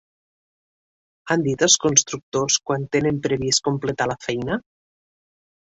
Han dit els constructors quan tenen previst completar la feina?